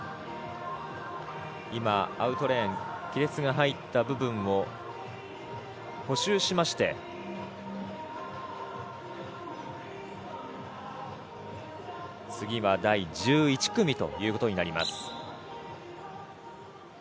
今、アウトレーン亀裂が入った部分を補修しまして次は第１１組となります。